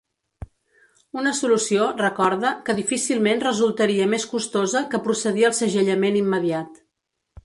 Una solució, recorda, que difícilment resultaria més costosa que procedir al segellament immediat.